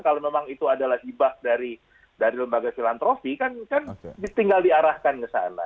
kalau memang itu adalah hibah dari lembaga filantrofi kan tinggal diarahkan ke sana